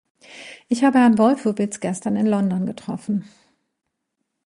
Ich habe Herrn Wolfowitz gestern in London getroffen.